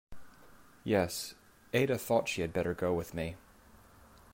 Yes, Ada thought she had better go with me.